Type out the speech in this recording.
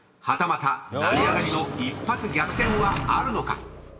［はたまた成り上がりの一発逆転はあるのか？］